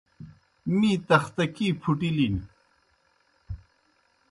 می تختکیْ پُھٹِلِن۔